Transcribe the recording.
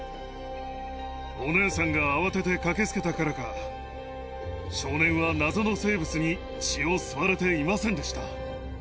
お姉さんが慌てて駆けつけたからか、少年は謎の生物に血を吸われていませんでした。